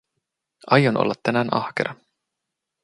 Aion olla tänään ahkera.